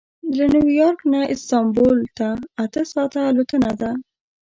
له نیویارک نه استانبول ته اته ساعته الوتنه ده.